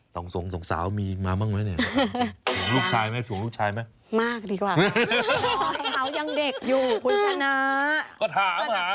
ส่องส่องส่องสาวมีมาบ้างไหมเนี้ยลูกชายไหมส่วนลูกชายไหมมากดีกว่าเขายังเด็กอยู่คุณชนะ